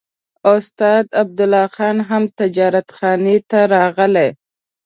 استاد عبدالله خان هم تجارتخانې ته راغی.